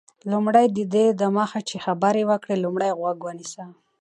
لومړی: ددې دمخه چي خبري وکړې، لومړی غوږ ونیسه.